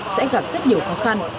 sẽ gặp rất nhiều khó khăn